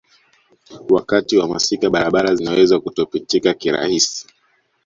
Wakati wa masika barabara zinaweza kutopitika kirahisi